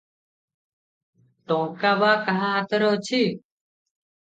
ଟଙ୍କା ବା କାହା ହାତରେ ଅଛି ।